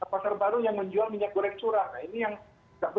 pasar baru yang menjual minyak goreng curah